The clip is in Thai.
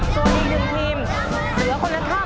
ส่วนที่๑ทีมเสือคนละคร่ำ